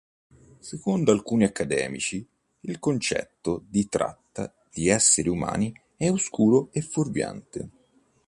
Secondo alcuni accademici, il concetto di tratta di esseri umani è oscuro e fuorviante.